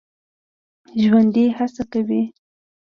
ژوندي هڅه کوي